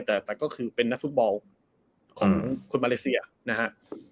แต่ก็คือเป็นนักฟุตบอลของคนมาเลเซียนะครับ